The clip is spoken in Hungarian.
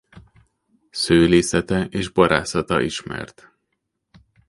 Szőlészete és borászata ismert.